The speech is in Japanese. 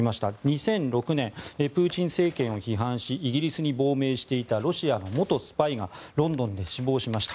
２００６年プーチン政権を批判しイギリスに亡命していたロシアの元スパイがロンドンで死亡しました。